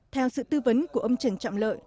theo sự tư vấn của ông trần trọng lợi